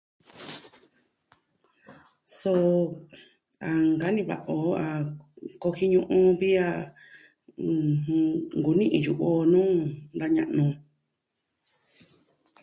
Soo, a nkani ka ko'o ku jin yu'u vi a, ɨjɨn... nkuni'i yu'u o nuu da ña'nu.